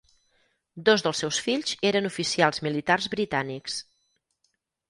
Dos dels seus fills eren oficials militars britànics.